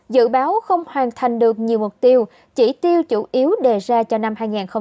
dự báo không hoàn thành được nhiều mục tiêu chỉ tiêu chủ yếu đề ra cho năm hai nghìn hai mươi